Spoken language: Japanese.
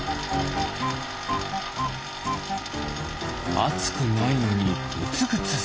あつくないのにぐつぐつする。